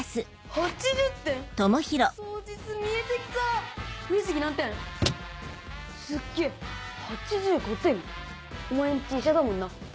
お前ん家医者だもんな。